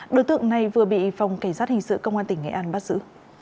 đối tượng này vừa bị phòng cảnh sát hình sự công an tỉnh nghệ an bắt giữ